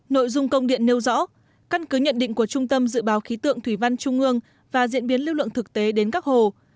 nội dung công điện nêu rõ căn cứ nhận định của trung tâm dự báo khí tượng thủy văn trung ương và diễn biến lưu lượng thực tế đến các hồ